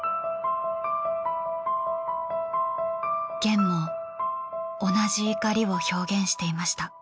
『ゲン』も同じ怒りを表現していました。